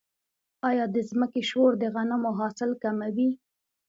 آیا د ځمکې شور د غنمو حاصل کموي؟